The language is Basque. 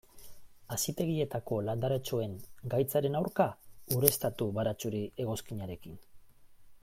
Hazitegietako landaretxoen gaitzaren aurka, ureztatu baratxuri-egoskinarekin.